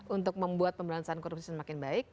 untuk membuat pemberantasan korupsi semakin baik